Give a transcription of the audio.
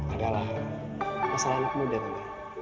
adalah masalah anak muda dulu